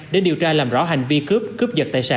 để điều tra làm rõ hành vi cướp